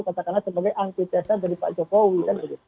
katakanlah sebagai anti tesa dari pak jokowi